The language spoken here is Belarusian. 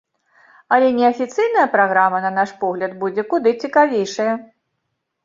Але неафіцыйная праграма, на наш погляд, будзе куды цікавейшая.